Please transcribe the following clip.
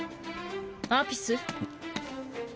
アピス。